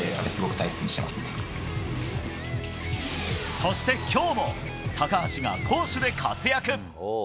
そして今日も高橋が攻守で活躍。